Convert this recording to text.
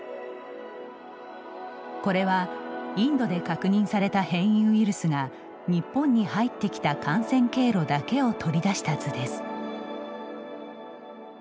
これは、インドで確認された変異ウイルスが日本に入ってきた感染経路だけを取り出した図です。